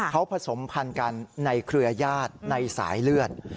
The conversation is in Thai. เขาผสมพันธุ์กันในเครือญาติในสายเลือด